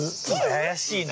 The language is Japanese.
怪しいな。